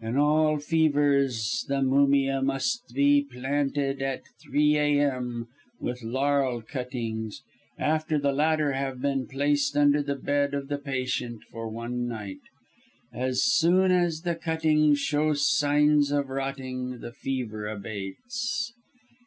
"In all fevers, the mumia must be planted, at 3 a.m., with laurel cuttings, after the latter have been placed under the bed of the patient for one night. As soon as the cuttings show signs of rotting, the fever abates.